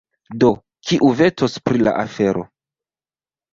Do, kiu vetos pri la afero?